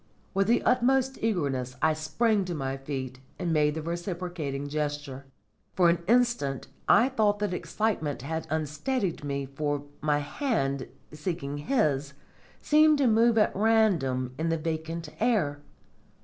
With the utmost eagerness I sprang to my feet and made the reciprocating gesture. For an instant I thought that excitement had unsteadied me, for my hand, seeking his, seemed to move at random in the vacant air.